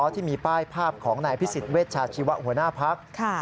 ที่มีป้ายภาพของนายพิสิทธิเวชชาชีวะหัวหน้าพัก